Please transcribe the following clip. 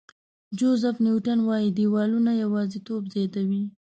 جوزیف نیوټن وایي دیوالونه یوازېتوب زیاتوي.